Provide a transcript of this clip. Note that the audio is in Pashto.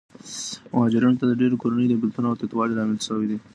مهاجرتونه د ډېرو کورنیو د بېلتون او تیتوالي لامل شوي دي.